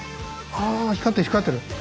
ああ光ってる光ってる！